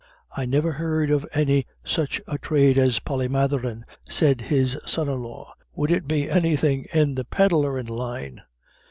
"I niver heard of any such a thrade as polymatherin'," said his son in law; "would it be anythin' in the pedlarin' line?"